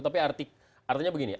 tapi artinya begini